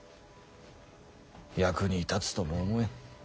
役に立つとも思えん。